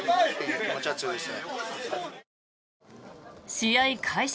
試合開始